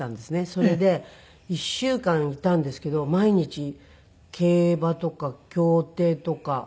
それで１週間いたんですけど毎日競馬とか競艇とか競輪とか。